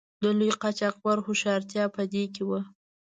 د لوی قاچاقبر هوښیارتیا په دې کې وه.